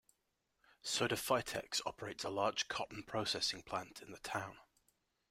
Sodefitex operates a large cotton processing plant in the town.